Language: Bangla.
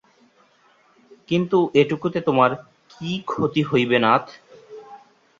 কিন্তু এটুকুতে তোমার কী ক্ষতি হইবে, নাথ।